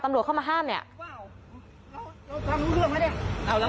ตำรวจเข้ามาห้ามเนี้ยเราเร็อกันเลือกไหมเดียวเอาแล้ว